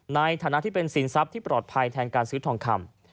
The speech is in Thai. ในฐานะที่เป็นสินทรัพย์ที่ปลอดภัยแทนการซื้อทองคำ